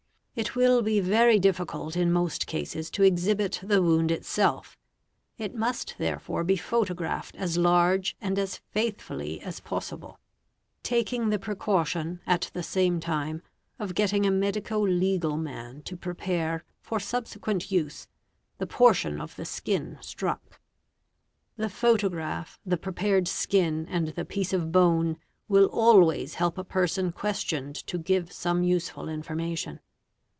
It will be very difficult in most cases to exhibit the wound itself; i must therefore be photographed as large and as faithfully as possible Sr a CUTTING AND STABBING WEAPONS 443 taking the precaution, at the same time, of getting a medico legal man to prepare, for subsequent use, the portion of the skin struck. The photo graph, the prepared skin, and the piece of bone, will always help a person questioned to give some useful information.